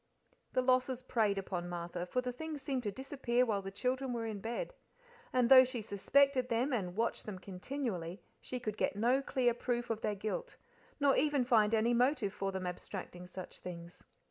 The losses preyed upon Martha, for the things seemed to disappear while the children were in bed; and though she suspected them, and watched them continually, she could get no clear proof of their guilt, nor even find any motive for them abstracting such things.